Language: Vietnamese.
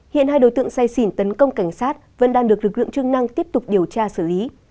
hiện hai đối tượng say xỉn tấn công cảnh sát vẫn đang được lực lượng chức năng tiếp tục điều tra xử lý